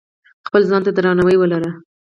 خپل ځان ته درناوی ولرئ.